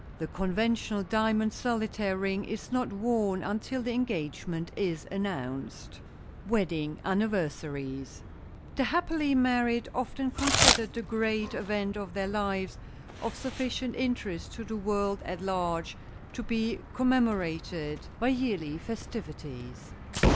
The conventional diamond solitaire ring is not worn until the engagement is announced. [Sidenote: WEDDING ANNIVERSARIES] The happily married often consider the Great Event of their lives of sufficient interest to the world at large to be commemorated by yearly festivities.